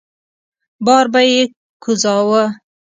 بار به يې کوزاوه.